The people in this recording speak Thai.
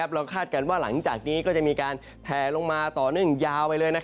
คาดการณ์ว่าหลังจากนี้ก็จะมีการแผลลงมาต่อเนื่องยาวไปเลย